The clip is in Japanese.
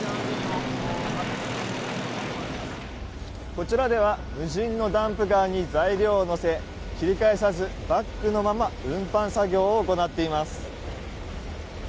こちらでは無人のダンプカーに材料を載せ切り返さずバックのまま運搬作業を行っています。